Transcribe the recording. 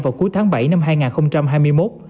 vào cuối tháng bảy năm hai nghìn hai mươi một